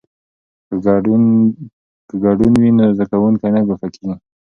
که ګډون وي نو زده کوونکی نه ګوښه کیږي.